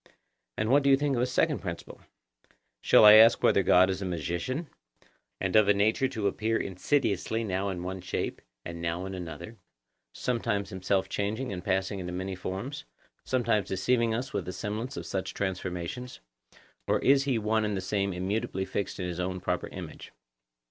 And what do you think of a second principle? Shall I ask you whether God is a magician, and of a nature to appear insidiously now in one shape, and now in another—sometimes himself changing and passing into many forms, sometimes deceiving us with the semblance of such transformations; or is he one and the same immutably fixed in his own proper image?